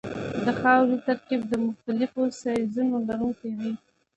د خاورې ترکیب د مختلفو سایزونو لرونکی وي